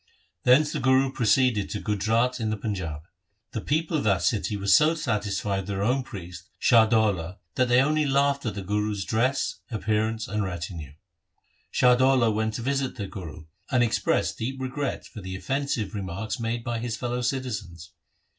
Thence the Guru proceeded to Gujrat in the Panjab. The people of that city were so satisfied with their own priest Shah Daula 2 that they only laughed at the Guru's dress, appearance, and retinue. Shah Daula went to visit the Guru and expressed his deep regret for the offensive remarks made by his fellow citizens.